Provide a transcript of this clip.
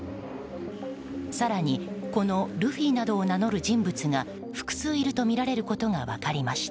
更に、このルフィなどを名乗る人物が複数いるとみられることが分かりました。